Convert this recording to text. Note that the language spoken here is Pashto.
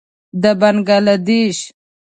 د بنګله دېش.